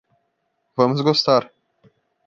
Vamos gostar.